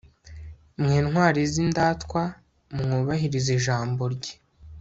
mwe ntwari z'indatwa, mwubahiriza ijambo rye